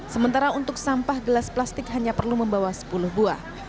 sementara untuk sampah gelas plastik hanya perlu membawa sepuluh buah